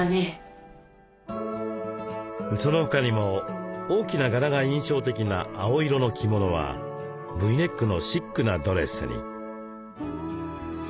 その他にも大きな柄が印象的な青色の着物はＶネックのシックなドレスに。